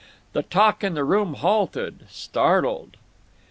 The talk in the room halted, startled.